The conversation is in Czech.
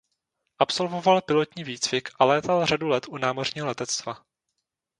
Absolvoval pilotní výcvik a létal řadu let u námořního letectva.